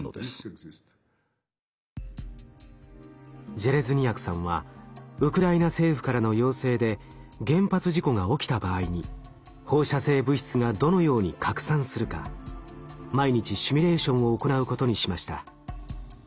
ジェレズニヤクさんはウクライナ政府からの要請で原発事故が起きた場合に放射性物質がどのように拡散するか毎日シミュレーションを行うことにしました。